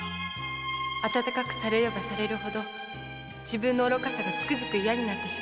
温かくされればされるほど自分の愚かさがつくづくイヤになってしまいました」